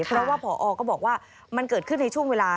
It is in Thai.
เพราะว่าผอก็บอกว่ามันเกิดขึ้นในช่วงเวลา